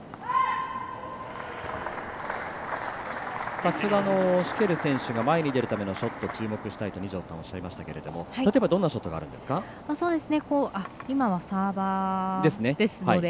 先ほどのシュケル選手が前に出るためのショットを注目したいと二條さんがおっしゃいましたが、例えばどんなショットがありますか。